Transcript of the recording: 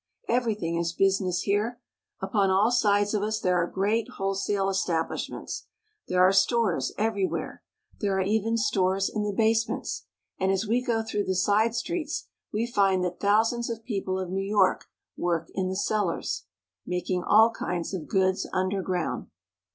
Everything is business here. Upon all sides of us there are great wholesale establishments. There are stores everywhere. There are even stores in the base ments ; and as we go through the side streets we find that thousands of people of New York work in cellars, making all kinds of goods under ground.